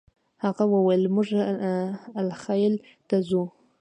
هغه وویل موږ الخلیل ته ځو.